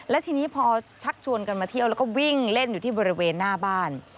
และทีนี้พอชักชวนกันมาเที่ยวแล้วก็วิ่งเล่นอยู่ที่บริเวณหน้าบ้าน